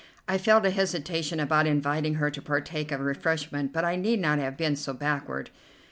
I felt a hesitation about inviting her to partake of refreshment, but I need not have been so backward.